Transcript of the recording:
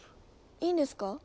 いいんですか？